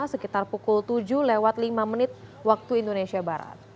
sekitar pukul tujuh lewat lima menit waktu indonesia barat